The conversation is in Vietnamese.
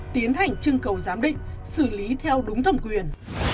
tiến hành trưng cầu giám định xử lý theo đúng thẩm quyền